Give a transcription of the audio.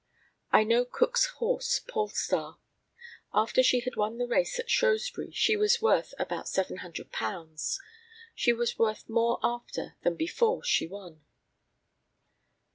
I know Cook's horse Polestar. After she had won the race at Shrewsbury she was worth about £700. She was worth more after than before she won.